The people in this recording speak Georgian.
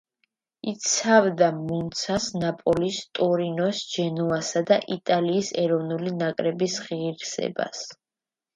იცავდა „მონცას“, „ნაპოლის“, „ტორინოს“, „ჯენოასა“ და იტალიის ეროვნული ნაკრების ღირსებას.